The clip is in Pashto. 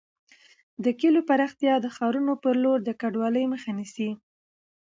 د کليو پراختیا د ښارونو پر لور د کډوالۍ مخه نیسي.